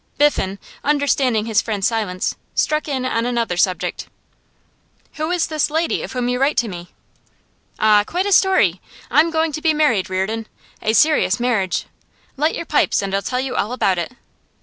Biffen, understanding his friend's silence, struck in on another subject. 'Who is this lady of whom you write to me?' 'Ah, quite a story! I'm going to be married, Reardon. A serious marriage. Light your pipes, and I'll tell you all about it.